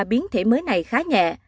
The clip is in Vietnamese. biến thể mới này khá nhẹ